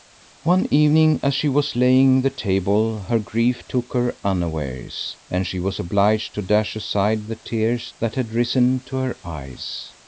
One evening as she was laying the table her grief took her unawares, and she was obliged to dash aside the tears that had risen to her eyes.